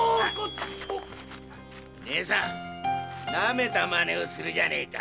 ナメたマネをするじゃねえか！